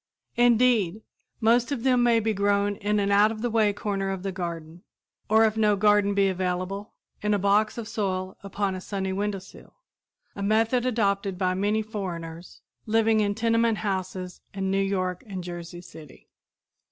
Indeed, most of them may be grown in an out of the way corner of the garden, or if no garden be available, in a box of soil upon a sunny windowsill a method adopted by many foreigners living in tenement houses in New York and Jersey City.